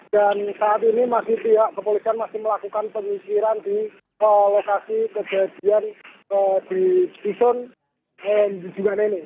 dan saat ini pihak kepolisian masih melakukan pemisiran di lokasi kejadian di kisun dan di jum'a neni